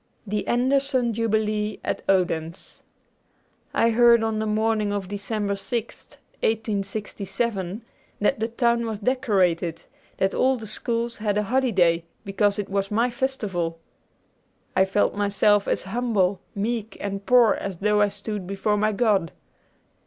THE ANDERSEN JUBILEE AT ODENSE From 'The Story of My Life' I heard on the morning of December 6th that the town was decorated, that all the schools had a holiday, because it was my festival. I felt myself as humble, meek, and poor as though I stood before my God.